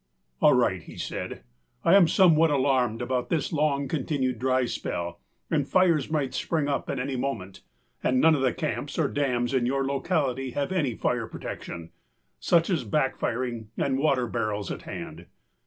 â âAll right,â he said, âI am somewhat alarmed about this long continued dry spell and fires might spring up at any moment, and none of the camps or dams in your locality have any fire protection, such as back firing and water barrels at hand.